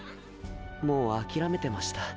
もう諦めてました。